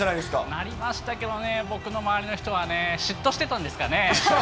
なりましたけど、僕の周りの人はね、嫉妬してたんですかね。